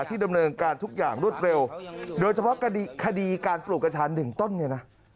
ที่ดำเนินการทุกอย่างรวดเร็วโดยเฉพาะคดีการปลูกกระชาหนึ่งต้นเนี่ยนะ